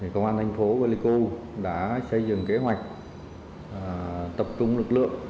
công an thành phố lê cưu đã xây dựng kế hoạch tập trung lực lượng